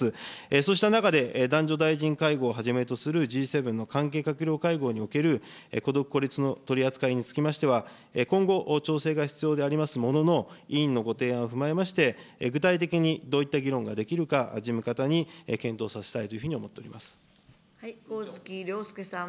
そうした中で、男女大臣会合をはじめとするＧ７の関係閣僚会合における、孤独・孤立の取り扱いにつきましては、今後、調整が必要でありますものの、委員のご提案を踏まえまして、具体的にどういった議論ができるか、事務方に検討させたいというふうに思っております。